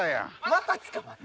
また捕まった。